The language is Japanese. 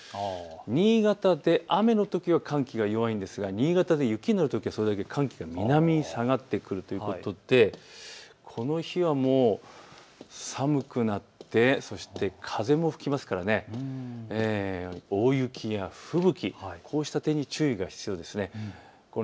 新潟で雨のときは寒気は弱いんですが新潟で雪になるときはそれだけ寒気が南に下がってくるということでこの日は寒くなってそして風も吹きますから大雪や吹雪、こうした点に注意が必要です。